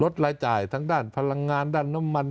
ทั้งด้านพลังงานด้านน้ำมัน